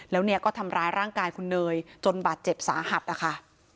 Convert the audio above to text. แล้วเนี่ยก็ทำร้ายร่างกายคุณเนยจนบาดเจ็บสาหัสนะคะ